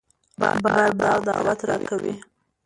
بار بار دعوت راکوي